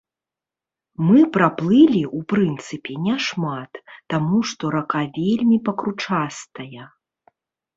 Мы праплылі, у прынцыпе, не шмат, таму, што рака вельмі пакручастая.